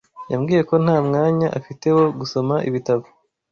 Yambwiye ko nta mwanya afite wo gusoma ibitabo.